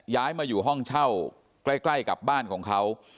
ย้ายมาอยู่ห้องเช่าใกล้กับบ้านของเขา